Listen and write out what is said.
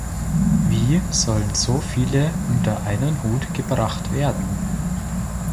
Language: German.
Wie sollen so viele unter einen Hut gebracht werden?